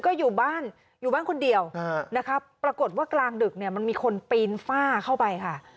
ก็อยู่บ้านอยู่บ้านคนเดียวนะครับปรากฏว่ากลางดึกเนี่ยมันมีคนปีนฝ้าเข้าไปค่ะ